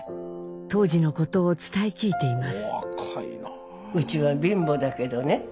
当時のことを伝え聞いています。